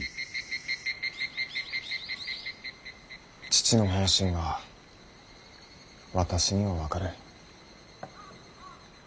父の本心が私には分かる。